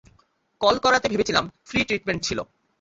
Call করাতে ভেবেছিলাম free treatment ছিল।